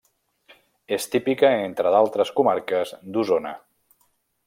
És típica, entre altres comarques, d'Osona.